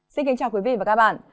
xin kính chào quý vị và các bạn